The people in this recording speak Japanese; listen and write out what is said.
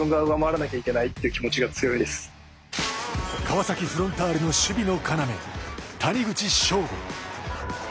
川崎フロンターレの守備の要、谷口彰悟。